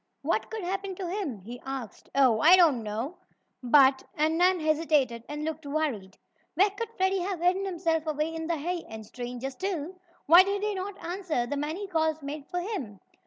"What could happen to him?" he asked. "Oh, I don't know, but " and Nan hesitated and looked worried. Where could Freddie have hidden himself away in the hay, and stranger, still, why did he not answer the many calls made for him?